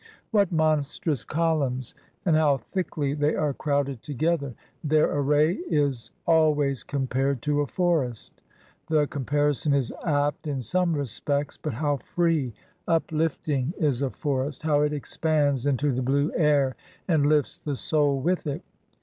What monstrous columns! And how thickly they are crowded together! Their array is always compared to a forest. The com parison is apt in some respects; but how free, uplifting 72 KARNAK AND THE HALL OF COLUMNS is a forest, how it expands into the blue air, and lifts the soul with it.